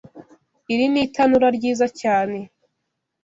Iri ni itanura ryiza cyane.